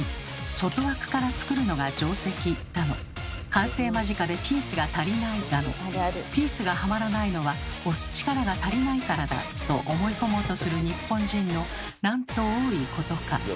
「完成間近でピースが足りない」だの「ピースがはまらないのは押す力が足りないからだ」と思い込もうとする日本人のなんと多いことか。